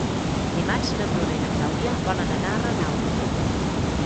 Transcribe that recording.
Dimarts na Bruna i na Clàudia volen anar a Renau.